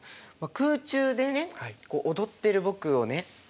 空中でね踊っている僕をね